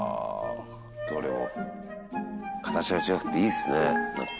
「どれも形が違くていいですねなんか」